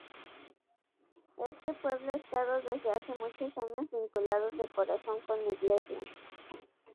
Este pueblo ha estado desde hace muchos años vinculado de corazón con la Iglesia.